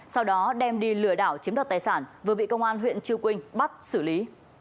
sau đó đem đi lừa đảo chiếm đoạt tài sản vừa bị công an huyện chư quynh bắt xử lý